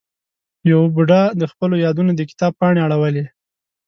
یوه بوډا د خپلو یادونو د کتاب پاڼې اړولې.